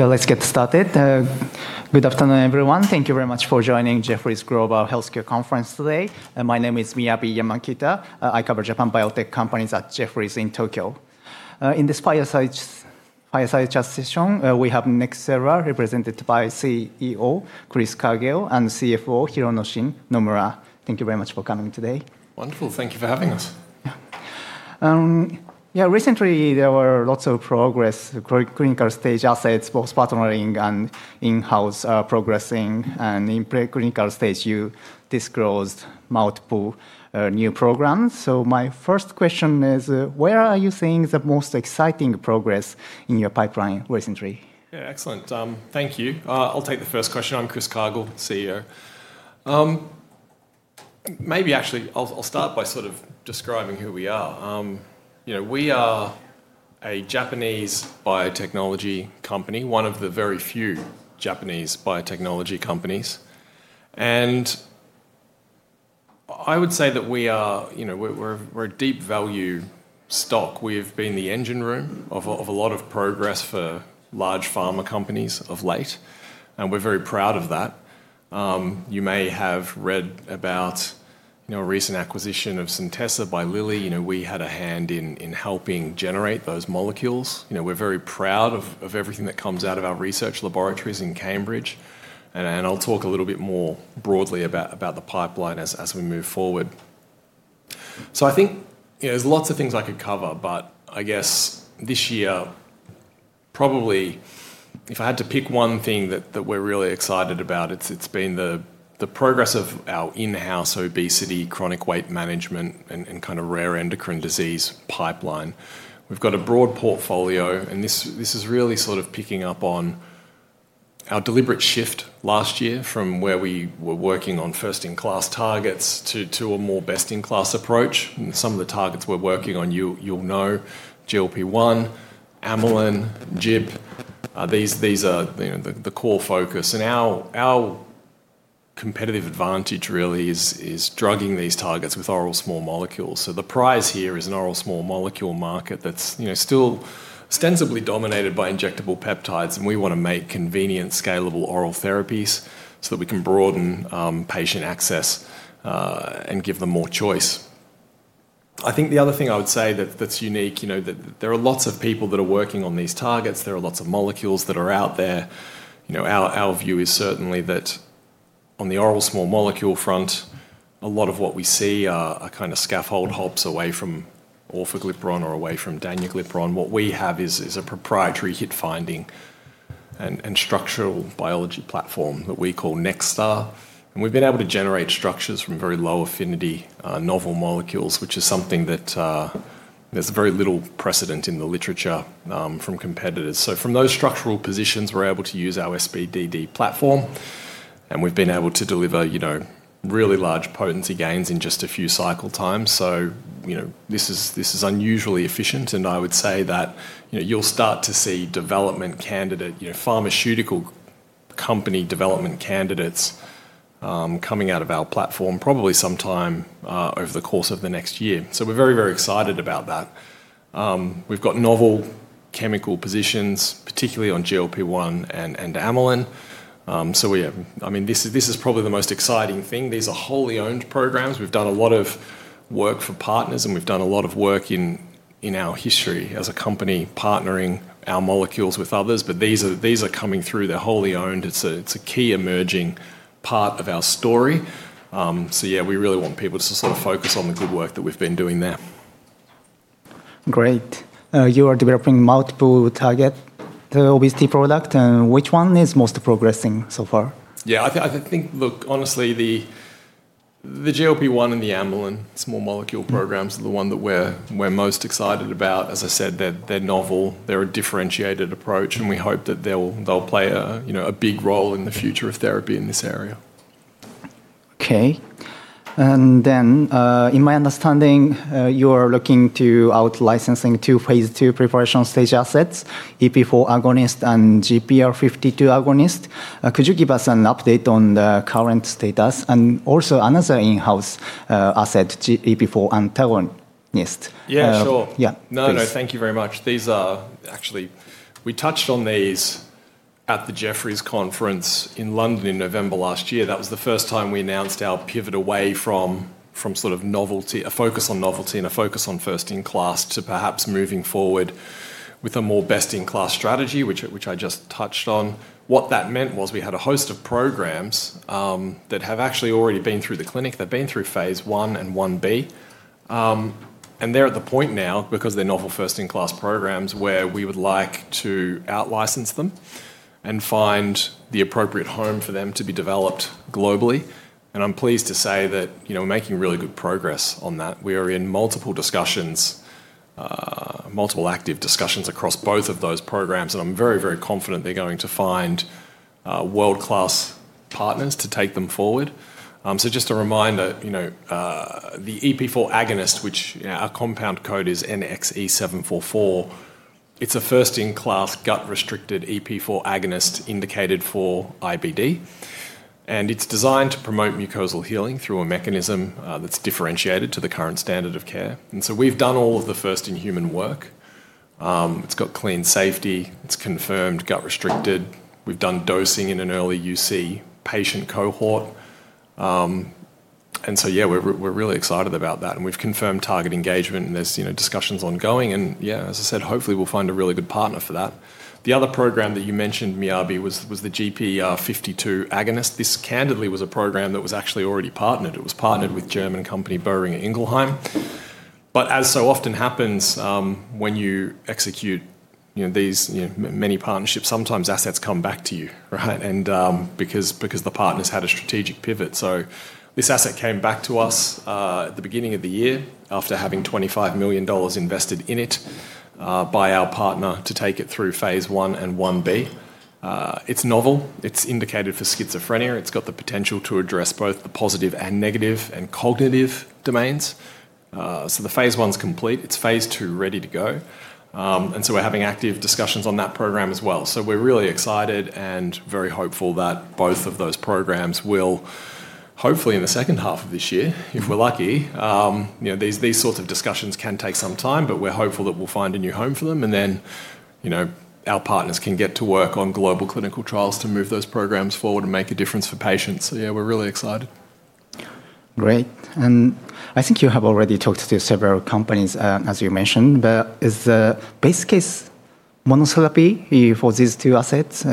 Okay, let's get started. Good afternoon, everyone. Thank you very much for joining Jefferies Global Healthcare Conference today. My name is Miyabi Yamakita. I cover Japan biotech companies at Jefferies in Tokyo. In this fireside chat session, we have Nxera, represented by CEO Chris Cargill and CFO Hironoshin Nomura. Thank you very much for coming today. Wonderful. Thank you for having us. Yeah. Recently, there were lots of progress, clinical-stage assets, both partnering and in-house progressing, and in pre-clinical stage you disclosed multiple new programs. My first question is, where are you seeing the most exciting progress in your pipeline recently? Excellent. Thank you. I'll take the first question. I'm Chris Cargill, CEO. Maybe actually, I'll start by sort of describing who we are. We are a Japanese biotechnology company, one of the very few Japanese biotechnology companies. I would say that we're a deep value stock. We've been the engine room of a lot of progress for large pharma companies of late. We're very proud of that. You may have read about a recent acquisition of Centessa by Lilly. We had a hand in helping generate those molecules. We're very proud of everything that comes out of our research laboratories in Cambridge. I'll talk a little bit more broadly about the pipeline as we move forward. I think there's lots of things I could cover, but I guess this year, probably if I had to pick one thing that we're really excited about, it's been the progress of our in-house obesity, chronic weight management, and kind of rare endocrine disease pipeline. We've got a broad portfolio, This is really sort of picking up on our deliberate shift last year from where we were working on first-in-class targets to a more best-in-class approach. Some of the targets we're working on you'll know, GLP-1, amylin, GIP. These are the core focus. Our competitive advantage really is drugging these targets with oral small molecules. The prize here is an oral small molecule market that's still ostensibly dominated by injectable peptides, We want to make convenient, scalable oral therapies so that we can broaden patient access and give them more choice. I think the other thing I would say that's unique, there are lots of people that are working on these targets. There are lots of molecules that are out there. Our view is certainly that on the oral small molecule front, a lot of what we see are kind of scaffold hops away from orforglipron or away from danuglipron. What we have is a proprietary hit-finding and structural biology platform that we call NxWave. We've been able to generate structures from very low-affinity novel molecules, which is something that there's very little precedent in the literature from competitors. From those structural positions, we're able to use our SBDD platform, and we've been able to deliver really large potency gains in just a few cycle times. This is unusually efficient, and I would say that you'll start to see pharmaceutical company development candidates coming out of our platform probably sometime over the course of the next year. We're very excited about that. We've got novel chemical positions, particularly on GLP-1 and amylin. This is probably the most exciting thing. These are wholly owned programs. We've done a lot of work for partners, and we've done a lot of work in our history as a company, partnering our molecules with others, but these are coming through. They're wholly owned. It's a key emerging part of our story. Yeah, we really want people to sort of focus on the good work that we've been doing there. Great. You are developing multiple target obesity product, which one is most progressing so far? Yeah, I think, look, honestly, the GLP-1 and the amylin small molecule programs are the one that we're most excited about. As I said, they're novel, they're a differentiated approach, and we hope that they'll play a big role in the future of therapy in this area. Okay. In my understanding, you are looking to out-licensing two phase II preparation stage assets, EP4 agonist and GPR52 agonist. Could you give us an update on the current status and also another in-house asset, EP4 antagonist? Yeah, sure. Yeah, please. Thank you very much. Actually, we touched on these at the Jefferies conference in London in November last year. That was the first time we announced our pivot away from sort of a focus on novelty and a focus on first-in-class to perhaps moving forward with a more best-in-class strategy, which I just touched on. What that meant was we had a host of programs that have actually already been through the clinic. They've been through phase I and I-B. They're at the point now, because they're novel first-in-class programs, where we would like to out-license them and find the appropriate home for them to be developed globally. I'm pleased to say that we're making really good progress on that. We are in multiple active discussions across both of those programs, and I'm very confident they're going to find world-class partners to take them forward. Just a reminder, the EP4 agonist, which our compound code is NXE'744, it's a first-in-class gut-restricted EP4 agonist indicated for IBD. It's designed to promote mucosal healing through a mechanism that's differentiated to the current standard of care. We've done all of the first-in-human work. It's got clean safety, it's confirmed gut restricted. We've done dosing in an early UC patient cohort. Yeah, we're really excited about that, and we've confirmed target engagement, and there's discussions ongoing, and yeah, as I said, hopefully we'll find a really good partner for that. The other program that you mentioned, Miyabi, was the GPR52 agonist. This candidly was a program that was actually already partnered. It was partnered with German company Boehringer Ingelheim. As so often happens when you execute these many partnerships, sometimes assets come back to you, right? Because the partners had a strategic pivot. This asset came back to us at the beginning of the year after having $25 million invested in it by our partner to take it through phase I and I-B. It's novel. It's indicated for schizophrenia. It's got the potential to address both the positive and negative and cognitive domains. The phase I's complete. It's phase II ready to go. We're having active discussions on that program as well. We're really excited and very hopeful that both of those programs will, hopefully in the second half of this year, if we're lucky, these sorts of discussions can take some time, but we're hopeful that we'll find a new home for them. Our partners can get to work on global clinical trials to move those programs forward and make a difference for patients. Yeah, we're really excited. Great. I think you have already talked to several companies, as you mentioned, but is the base case monotherapy for these two assets,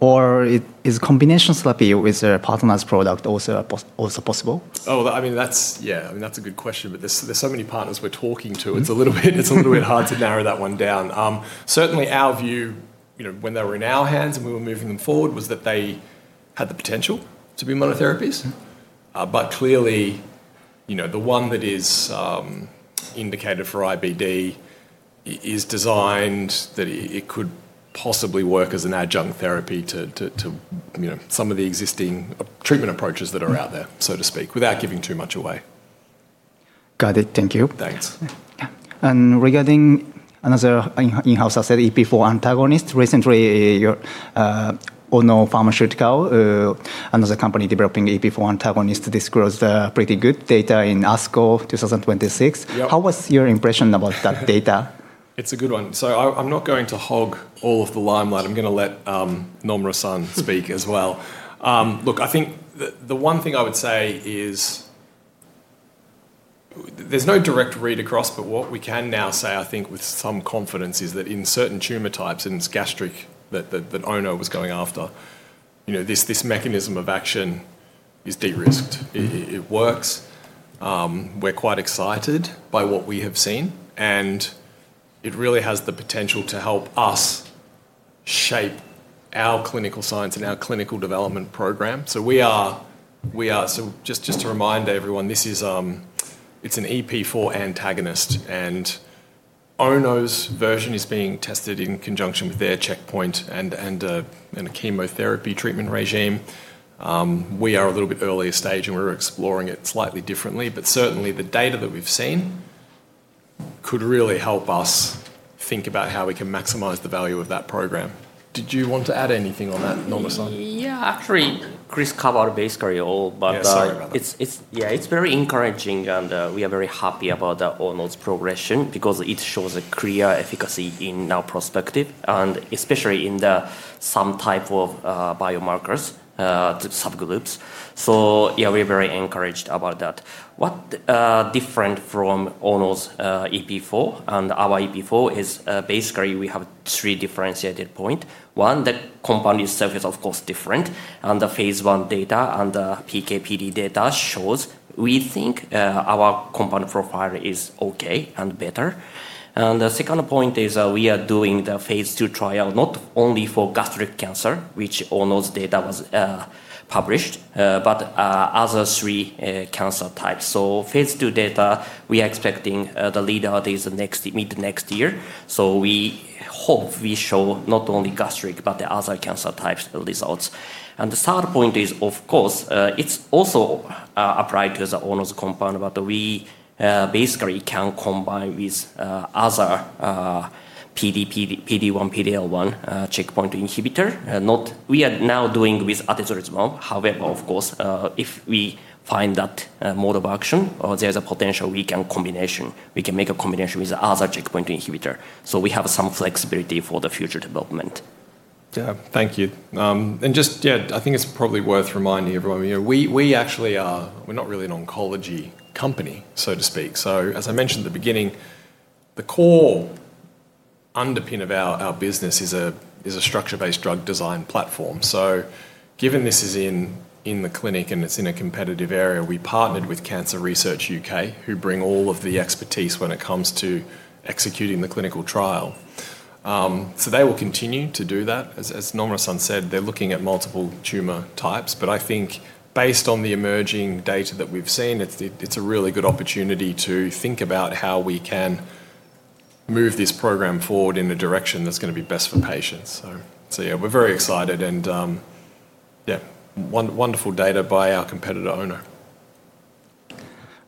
or is combination therapy with a partner's product also possible? Oh, that's a good question, but there's so many partners we're talking to, it's a little bit hard to narrow that one down. Certainly our view when they were in our hands and we were moving them forward was that they had the potential to be monotherapies. Clearly, the one that is indicated for IBD is designed that it could possibly work as an adjunct therapy to some of the existing treatment approaches that are out there, so to speak, without giving too much away. Got it. Thank you. Thanks. Yeah. Regarding another in-house asset, EP4 antagonist, recently Ono Pharmaceutical, another company developing EP4 antagonist, disclosed pretty good data in ASCO 2026. Yep. How was your impression about that data? It's a good one. I'm not going to hog all of the limelight. I'm going to let Nomura-san speak as well. Look, I think the one thing I would say is there's no direct read across, but what we can now say I think with some confidence is that in certain tumor types, and it's gastric that Ono was going after, this mechanism of action is de-risked. It works. We're quite excited by what we have seen, and it really has the potential to help us shape our clinical science and our clinical development program. Just to remind everyone, it's an EP4 antagonist, and Ono's version is being tested in conjunction with their checkpoint and a chemotherapy treatment regime. We are a little bit earlier stage, and we're exploring it slightly differently. Certainly the data that we've seen could really help us think about how we can maximize the value of that program. Did you want to add anything on that, Nomura-san? Yeah. Actually, Chris covered basically all. Yeah. Sorry about that. It's very encouraging. We are very happy about Ono's progression because it shows a clear efficacy in our perspective, especially in some type of biomarkers to subgroups. Yeah, we're very encouraged about that. What different from Ono's EP4 and our EP4 is basically we have three differentiated point. One, the compound itself is of course different. The phase I data and the PK/PD data shows we think our compound profile is okay and better. The second point is we are doing the phase II trial not only for gastric cancer, which Ono's data was published, but other three cancer types. Phase II data, we are expecting the readout days mid next year. We hope we show not only gastric, but the other cancer types results. The third point is, of course, it is also applied to the Ono's compound, but we basically can combine with other PD-1, PD-L1 checkpoint inhibitor. We are now doing with atezolizumab. However, of course, if we find that mode of action or there is a potential, we can make a combination with other checkpoint inhibitor. We have some flexibility for the future development. Yeah. Thank you. I think it's probably worth reminding everyone, we're not really an oncology company, so to speak. As I mentioned at the beginning, the core underpin of our business is a structure-based drug design platform. Given this is in the clinic and it's in a competitive area, we partnered with Cancer Research UK, who bring all of the expertise when it comes to executing the clinical trial. They will continue to do that. As Nomura-san said, they're looking at multiple tumor types. I think based on the emerging data that we've seen, it's a really good opportunity to think about how we can move this program forward in a direction that's going to be best for patients. We're very excited and wonderful data by our competitor Ono.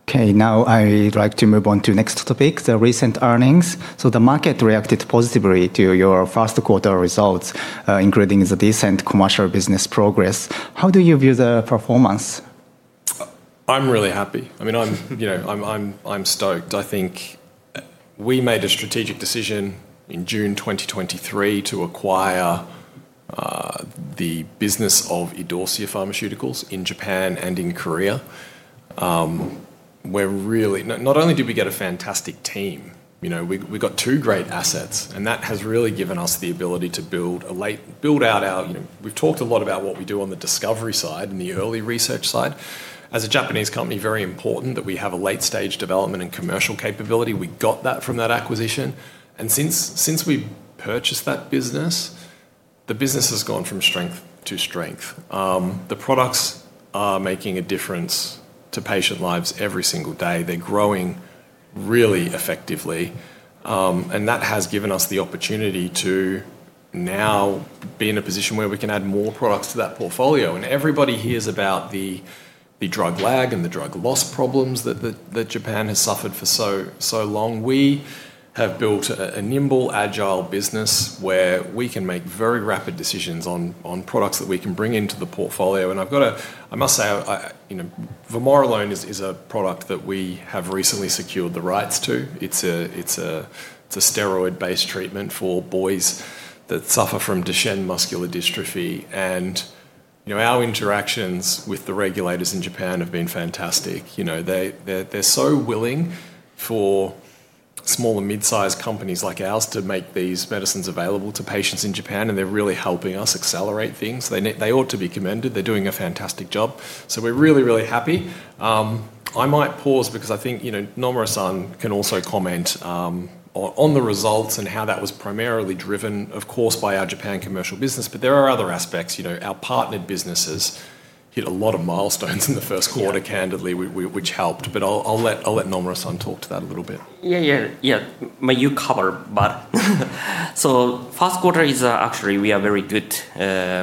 Okay, now I like to move on to next topic, the recent earnings. So the market reacted positively to your first quarter results, including the decent commercial business progress. How do you view the performance? I'm really happy. I'm stoked. I think we made a strategic decision in June 2023 to acquire the business of Idorsia Pharmaceuticals in Japan and in Korea. Not only did we get a fantastic team, we got two great assets. That has really given us the ability. We've talked a lot about what we do on the discovery side and the early research side. As a Japanese company, very important that we have a late-stage development and commercial capability. We got that from that acquisition. Since we purchased that business, the business has gone from strength to strength. The products are making a difference to patient lives every single day. They're growing really effectively. That has given us the opportunity to now be in a position where we can add more products to that portfolio. Everybody hears about the drug lag and the drug loss problems that Japan has suffered for so long. We have built a nimble, agile business where we can make very rapid decisions on products that we can bring into the portfolio. I've got to say, vamorolone is a product that we have recently secured the rights to. It's a steroid-based treatment for boys that suffer from Duchenne muscular dystrophy. Our interactions with the regulators in Japan have been fantastic. They're so willing for small and mid-sized companies like ours to make these medicines available to patients in Japan, and they're really helping us accelerate things. They ought to be commended. They're doing a fantastic job. We're really, really happy. I might pause because I think Nomura-san can also comment on the results and how that was primarily driven, of course, by our Japan commercial business. There are other aspects. Our partnered businesses hit a lot of milestones in the first quarter, candidly, which helped. I'll let Nomura-san talk to that a little bit. Yeah. First quarter is actually we have a very good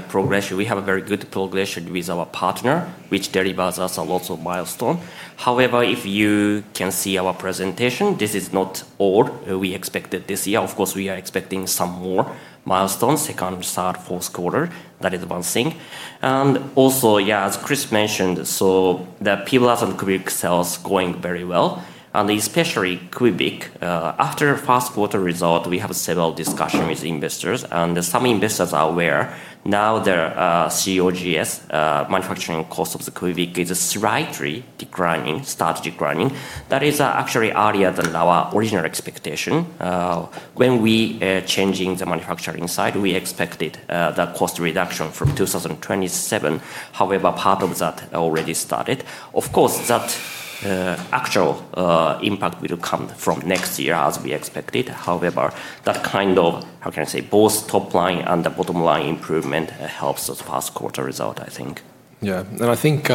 progression with our partner, which delivers us a lot of milestone. However, if you can see our presentation, this is not all we expected this year. Of course, we are expecting some more milestones, second, third, fourth quarter. That is one thing. Also, yeah, as Chris mentioned, the PIVLAZ and QUVIVIQ sales going very well. And especially QUVIVIQ, after first quarter result, we have several discussion with investors, and some investors are aware now their COGS, manufacturing cost of the QUVIVIQ is slightly start declining. That is actually earlier than our original expectation. When we changing the manufacturing side, we expected that cost reduction from 2027. However, part of that already started. Of course, that actual impact will come from next year as we expected. That kind of, how can I say, both top line and the bottom line improvement helps us first quarter result, I think. I think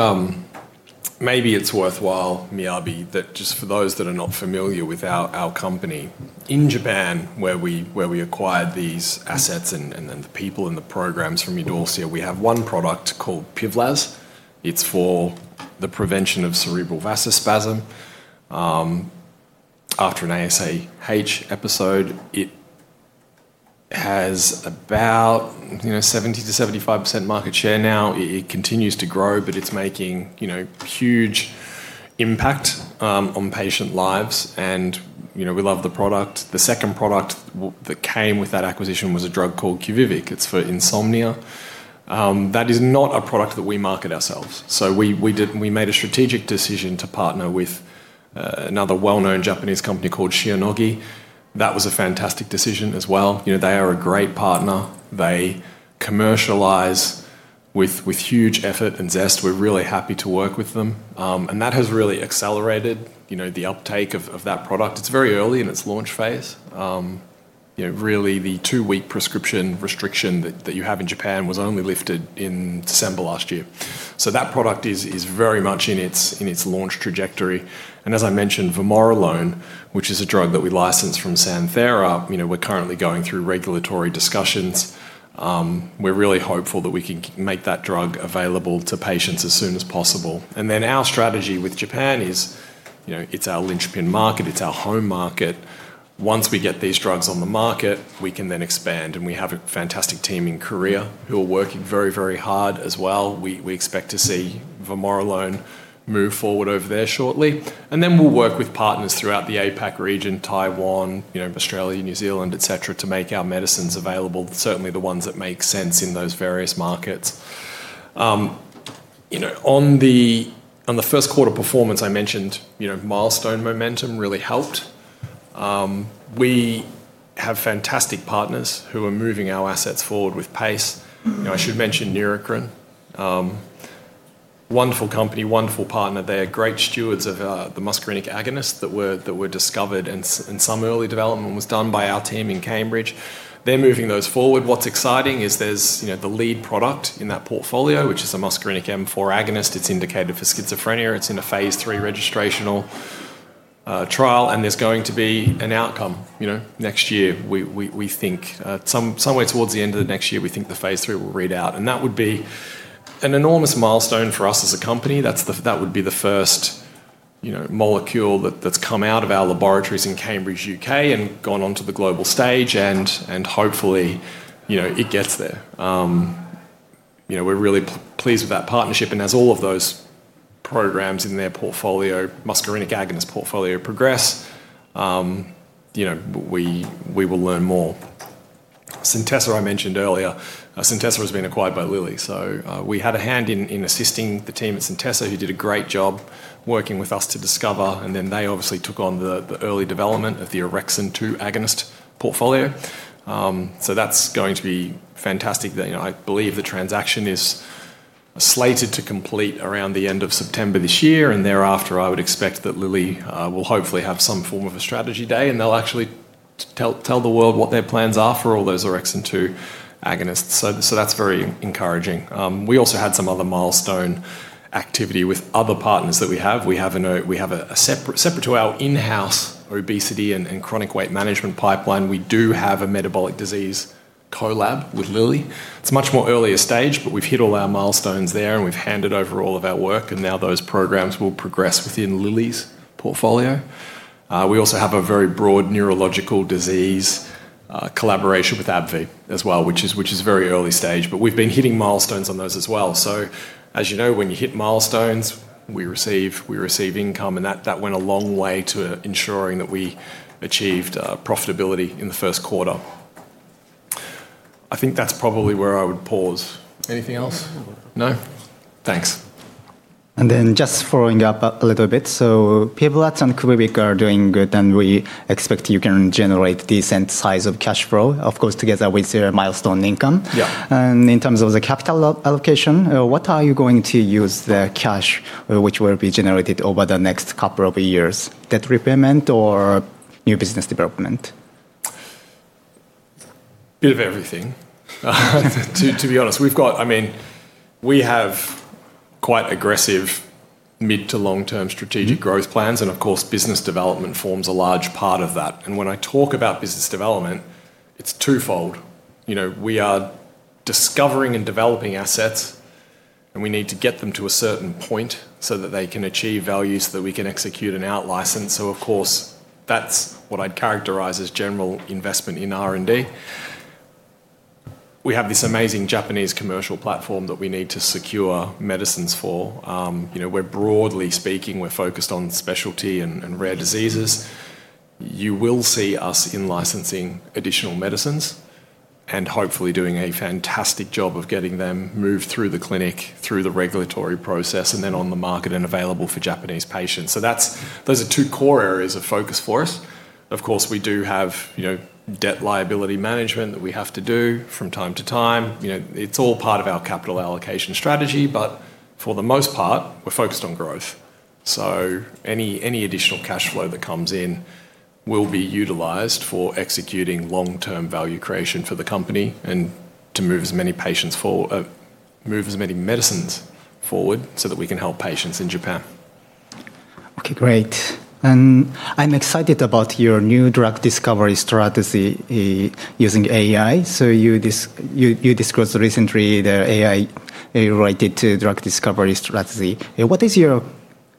maybe it's worthwhile, Miyabi, that just for those that are not familiar with our company, in Japan, where we acquired these assets and the people and the programs from Idorsia, we have one product called PIVLAZ. It's for the prevention of cerebral vasospasm after an SAH episode. It has about 70%-75% market share now. It continues to grow, it's making huge impact on patient lives, and we love the product. The second product that came with that acquisition was a drug called QUVIVIQ. It's for insomnia. That is not a product that we market ourselves. We made a strategic decision to partner with another well-known Japanese company called Shionogi. That was a fantastic decision as well. They are a great partner. They commercialize with huge effort and zest. We're really happy to work with them. That has really accelerated the uptake of that product. It's very early in its launch phase. The two-week prescription restriction that you have in Japan was only lifted in December last year. That product is very much in its launch trajectory. As I mentioned, vamorolone, which is a drug that we licensed from Santhera, we're currently going through regulatory discussions. We're really hopeful that we can make that drug available to patients as soon as possible. Our strategy with Japan is it's our linchpin market. It's our home market. Once we get these drugs on the market, we can then expand, and we have a fantastic team in Korea who are working very, very hard as well. We expect to see vamorolone move forward over there shortly. We'll work with partners throughout the APAC region, Taiwan, Australia, New Zealand, et cetera, to make our medicines available, certainly the ones that make sense in those various markets. On the first quarter performance I mentioned, milestone momentum really helped. We have fantastic partners who are moving our assets forward with pace. I should mention Neurocrine. Wonderful company, wonderful partner. They are great stewards of the muscarinic agonist that were discovered, and some early development was done by our team in Cambridge. They're moving those forward. What's exciting is there's the lead product in that portfolio, which is a muscarinic M4 agonist. It's indicated for schizophrenia. It's in a phase III registrational trial, and there's going to be an outcome next year. We think somewhere towards the end of next year, we think the phase III will read out. That would be an enormous milestone for us as a company. That would be the first molecule that's come out of our laboratories in Cambridge, U.K., and gone onto the global stage, and hopefully, it gets there. We're really pleased with that partnership. As all of those programs in their muscarinic agonist portfolio progress, we will learn more. Centessa, I mentioned earlier. Centessa has been acquired by Lilly. We had a hand in assisting the team at Centessa, who did a great job working with us to discover, and then they obviously took on the early development of the orexin 2 agonist portfolio. That's going to be fantastic. I believe the transaction is slated to complete around the end of September this year, and thereafter, I would expect that Lilly will hopefully have some form of a strategy day, and they'll actually tell the world what their plans are for all those orexin 2 agonists. That's very encouraging. We also had some other milestone activity with other partners that we have. Separate to our in-house obesity and chronic weight management pipeline, we do have a metabolic disease collab with Lilly. It's much more earlier stage, but we've hit all our milestones there, and we've handed over all of our work and now those programs will progress within Lilly's portfolio. We also have a very broad neurological disease collaboration with AbbVie as well, which is very early stage, but we've been hitting milestones on those as well. As you know, when you hit milestones, we receive income, and that went a long way to ensuring that we achieved profitability in the first quarter. I think that's probably where I would pause. Anything else? No? Thanks. Just following up a little bit. PIVLAZ and QUVIVIQ are doing good, and we expect you can generate decent size of cash flow, of course, together with your milestone income. Yeah. In terms of the capital allocation, what are you going to use the cash which will be generated over the next couple of years? Debt repayment or new business development? Bit of everything, to be honest. We have quite aggressive mid to long-term strategic growth plans, and of course, business development forms a large part of that. When I talk about business development, it's twofold. We are discovering and developing assets, and we need to get them to a certain point so that they can achieve value so that we can execute an out-license. Of course, that's what I'd characterize as general investment in R&D. We have this amazing Japanese commercial platform that we need to secure medicines for. Broadly speaking, we're focused on specialty and rare diseases. You will see us in-licensing additional medicines and hopefully doing a fantastic job of getting them moved through the clinic, through the regulatory process, and then on the market and available for Japanese patients. Those are two core areas of focus for us. Of course, we do have debt liability management that we have to do from time to time. It's all part of our capital allocation strategy, but for the most part, we're focused on growth. Any additional cash flow that comes in will be utilized for executing long-term value creation for the company and to move as many medicines forward so that we can help patients in Japan. Okay, great. I'm excited about your new drug discovery strategy using AI. You discussed recently the AI-related drug discovery strategy. What is your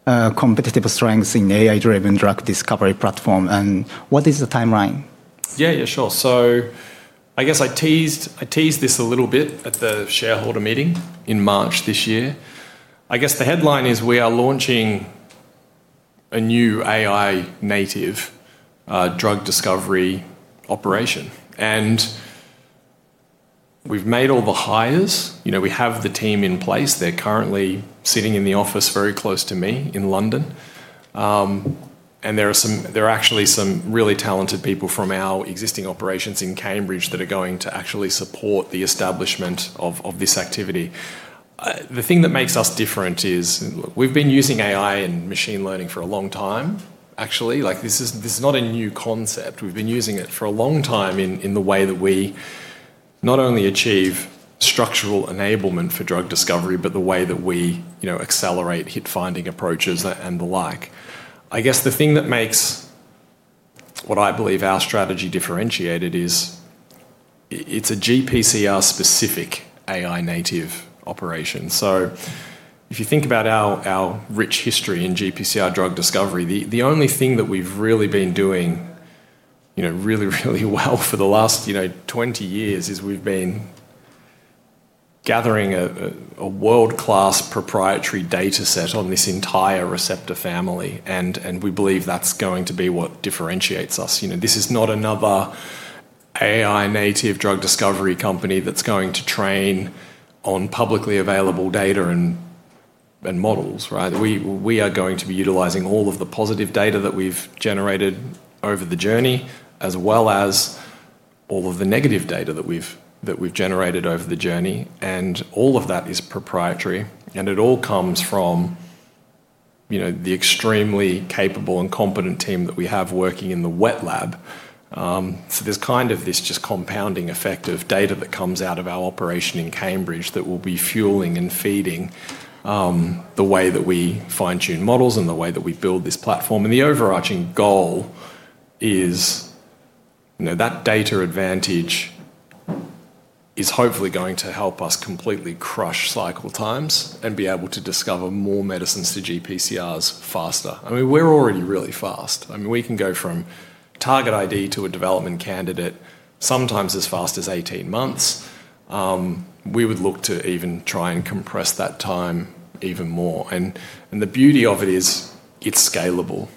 competitive strengths in AI-driven drug discovery platform, and what is the timeline? Yeah. Sure. I guess I teased this a little bit at the shareholder meeting in March this year. I guess the headline is we are launching a new AI native drug discovery operation. We've made all the hires. We have the team in place. They're currently sitting in the office very close to me in London. There are actually some really talented people from our existing operations in Cambridge that are going to actually support the establishment of this activity. The thing that makes us different is we've been using AI and machine learning for a long time, actually. This is not a new concept. We've been using it for a long time in the way that we not only achieve structural enablement for drug discovery, but the way that we accelerate hit finding approaches and the like. I guess the thing that makes what I believe our strategy differentiated is it's a GPCR-specific AI native operation. If you think about our rich history in GPCR drug discovery, the only thing that we've really been doing really well for the last 20 years is we've been gathering a world-class proprietary data set on this entire receptor family, and we believe that's going to be what differentiates us. This is not another AI native drug discovery company that's going to train on publicly available data and models, right? We are going to be utilizing all of the positive data that we've generated over the journey as well as all of the negative data that we've generated over the journey, and all of that is proprietary, and it all comes from the extremely capable and competent team that we have working in the wet lab. There's kind of this just compounding effect of data that comes out of our operation in Cambridge that will be fueling and feeding the way that we fine-tune models and the way that we build this platform. The overarching goal is that data advantage is hopefully going to help us completely crush cycle times and be able to discover more medicines to GPCRs faster. We're already really fast. We can go from target ID to a development candidate sometimes as fast as 18 months. We would look to even try and compress that time even more. The beauty of it is it's scalable.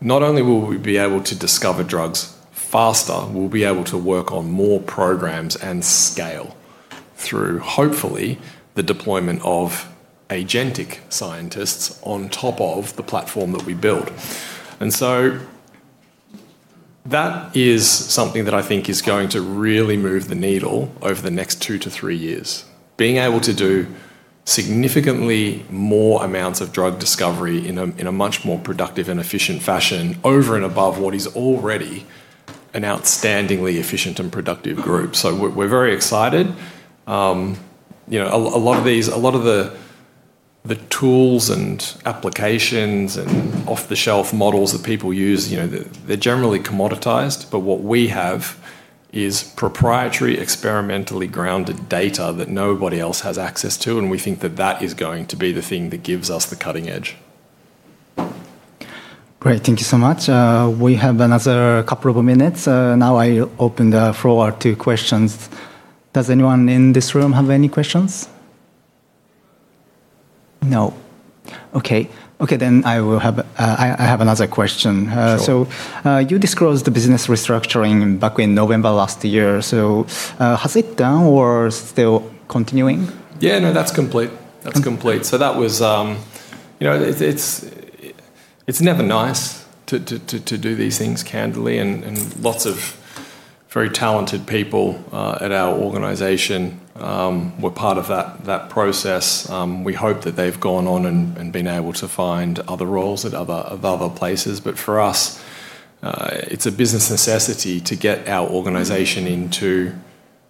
Not only will we be able to discover drugs faster, we'll be able to work on more programs and scale through, hopefully, the deployment of agentic scientists on top of the platform that we build. That is something that I think is going to really move the needle over the next two to three years, being able to do significantly more amounts of drug discovery in a much more productive and efficient fashion over and above what is already an outstandingly efficient and productive group. We're very excited. A lot of the tools and applications and off-the-shelf models that people use, they're generally commoditized, but what we have is proprietary, experimentally grounded data that nobody else has access to, and we think that that is going to be the thing that gives us the cutting edge. Great. Thank you so much. We have another couple of minutes. I open the floor to questions. Does anyone in this room have any questions? No. Okay. Okay, I have another question. Sure. You disclosed the business restructuring back in November last year. Has it done or still continuing? Yeah, no, that's complete. Okay. That's complete. It's never nice to do these things, candidly, and lots of very talented people at our organization were part of that process. We hope that they've gone on and been able to find other roles at other places. For us, it's a business necessity to get our organization into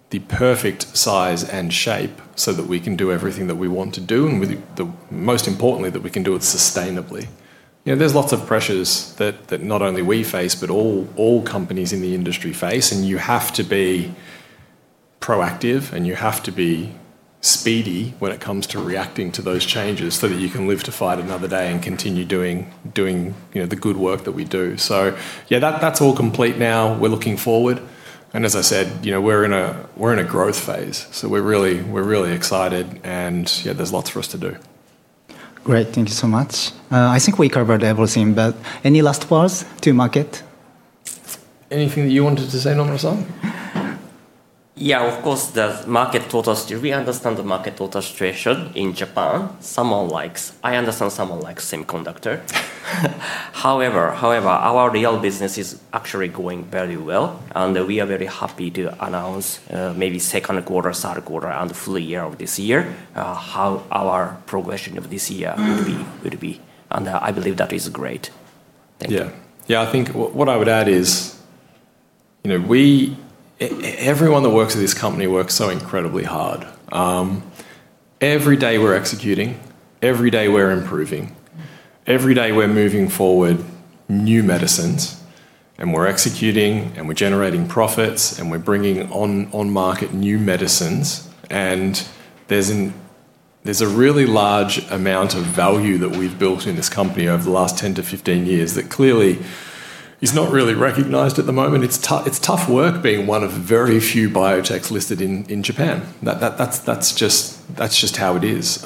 the perfect size and shape so that we can do everything that we want to do, and most importantly, that we can do it sustainably. There's lots of pressures that not only we face, but all companies in the industry face, and you have to be proactive, and you have to be speedy when it comes to reacting to those changes so that you can live to fight another day and continue doing the good work that we do. Yeah, that's all complete now. We're looking forward. As I said, we're in a growth phase, so we're really excited, and there's lots for us to do. Great. Thank you so much. I think we covered everything. Any last words to market? Anything that you wanted to say, Nomura-san? Yeah, of course, we understand the market total situation in Japan. I understand someone likes semiconductor. However, our real business is actually going very well, and we are very happy to announce, maybe second quarter, third quarter, and full year of this year, how our progression of this year would be. I believe that is great. Thank you. Yeah. I think what I would add is everyone that works at this company works so incredibly hard. Every day we're executing, every day we're improving, every day we're moving forward new medicines, and we're executing, and we're generating profits, and we're bringing on market new medicines. There's a really large amount of value that we've built in this company over the last 10-15 years that clearly is not really recognized at the moment. It's tough work being one of very few biotechs listed in Japan. That's just how it is.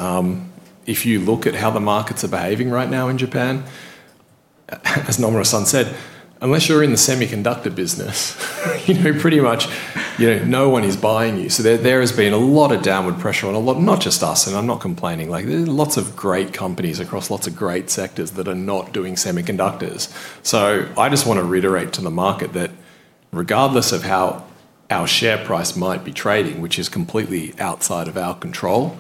If you look at how the markets are behaving right now in Japan, as Nomura-san said, unless you're in the semiconductor business, pretty much no one is buying you. There has been a lot of downward pressure on not just us, and I'm not complaining. There's lots of great companies across lots of great sectors that are not doing semiconductors. I just want to reiterate to the market that regardless of how our share price might be trading, which is completely outside of our control,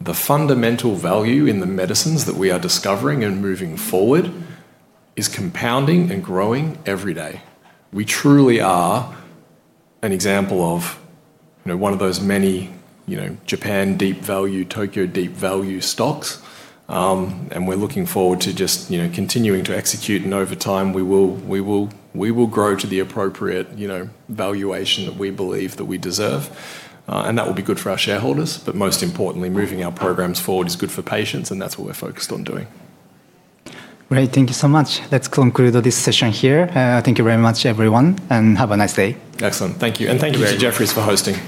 the fundamental value in the medicines that we are discovering and moving forward is compounding and growing every day. We truly are an example of one of those many Japan deep value, Tokyo deep value stocks, and we're looking forward to just continuing to execute, over time, we will grow to the appropriate valuation that we believe that we deserve. That will be good for our shareholders, but most importantly, moving our programs forward is good for patients, and that's what we're focused on doing. Great. Thank you so much. Let's conclude this session here. Thank you very much, everyone, and have a nice day. Excellent. Thank you. Thank you Jefferies for hosting.